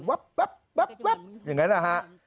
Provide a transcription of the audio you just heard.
แป๊บอย่างนั้นนะฮะ